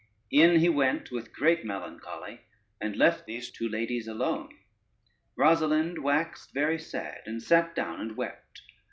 In he went with great melancholy, and left these two ladies alone. Rosalynde waxed very sad, and sate down and wept.